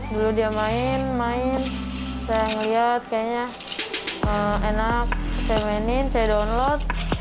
dulu dia main main saya ngeliat kayaknya enak saya mainin saya download